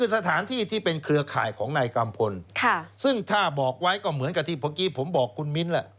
ซึ่งถ้าบอกไว้ก็เหมือนกับที่เมื่อกี้ผมบอกคุณมิ้นแหละ